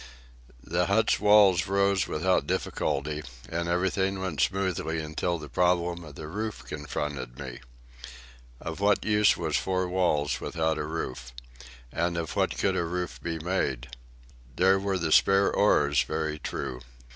The hut's walls rose without difficulty, and everything went smoothly until the problem of the roof confronted me. Of what use the four walls without a roof? And of what could a roof be made? There were the spare oars, very true.